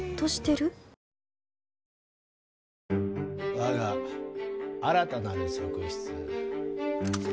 我が新たなる側室。